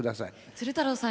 鶴太郎さん